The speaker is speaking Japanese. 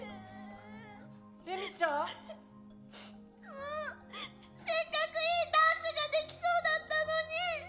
もうせっかくいいダンスができそうだったのに！